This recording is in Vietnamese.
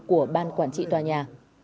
của ban quản trị tòa nhà